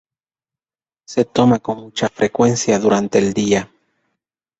Se toma con mucha frecuencia durante el día.